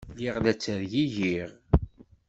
Lliɣ la ttergigiɣ.